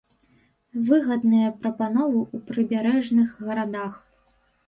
Выгадныя прапановы ў прыбярэжных гарадах.